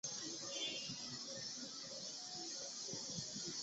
故此全球多国因此陷入巨大恐慌之中。